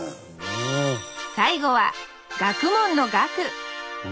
最後は学問の「学」！